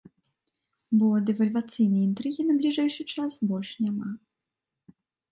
Бо дэвальвацыйнай інтрыгі на бліжэйшы час больш няма.